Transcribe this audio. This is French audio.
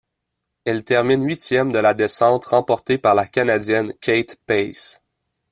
Elle termine huitième de la descente, remportée par la Canadienne Kate Pace.